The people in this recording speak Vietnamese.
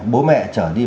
bố mẹ trở đi